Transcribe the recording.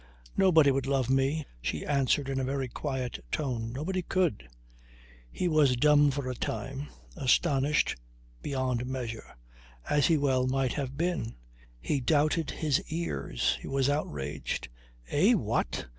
"Nobody would love me," she answered in a very quiet tone. "Nobody could." He was dumb for a time, astonished beyond measure, as he well might have been. He doubted his ears. He was outraged. "Eh? What?